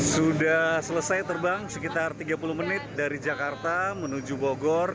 sudah selesai terbang sekitar tiga puluh menit dari jakarta menuju bogor